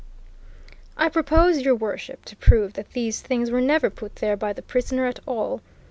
"I propose, Your Worship, to prove that these things were never put there by the prisoner at all!"